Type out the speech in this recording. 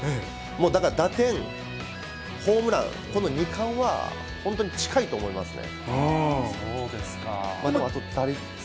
だから、打点、ホームラン、この二冠は、本当に近いと思いますね。